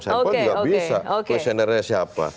sample juga bisa questioner nya siapa